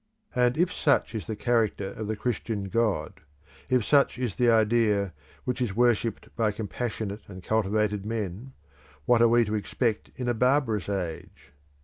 And if such is the character of the Christian God, if such is the idea which is worshipped by compassionate and cultivated men, what are we to expect in a barbarous age?